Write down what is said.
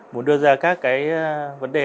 muốn đưa ra các cái vấn đề